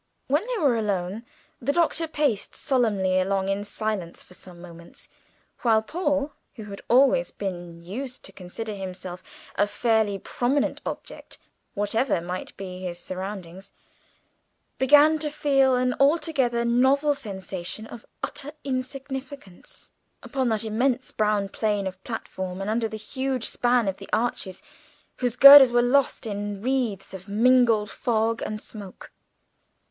When they were alone the Doctor paced solemnly along in silence for some moments, while Paul, who had always been used to consider himself a fairly prominent object, whatever might be his surroundings, began to feel an altogether novel sensation of utter insignificance upon that immense brown plain of platform and under the huge span of the arches whose girders were lost in wreaths of mingled fog and smoke.